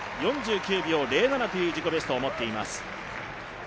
４９秒０７という自己ベストを持っています。